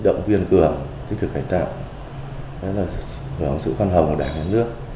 động viên cường tích cực cải tạo hướng sự phân hồng của đảng nước